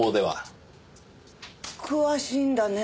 詳しいんだね。